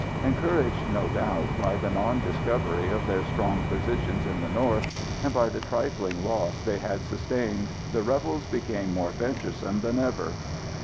Encouraged, no doubt, by the non discovery of their strong positions in the north, and by the trifling loss they had sustained, the rebels became more venturesome than ever.